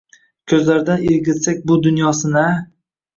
Ko‘zlardan irg‘itsak bu dunyosini a?